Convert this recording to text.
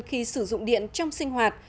khi sử dụng điện trong sinh hoạt